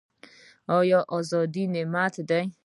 آیا ازادي نعمت دی؟